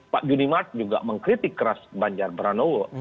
pak junimart juga mengkritik keras banjar pranowo